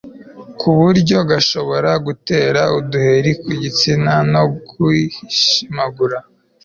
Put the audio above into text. ku buryo gashobora gutera uduheri ku gitsina no kwishimagura